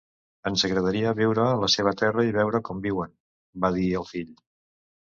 "Ens agradaria veure la seva terra i veure com viuen", va dir el fill.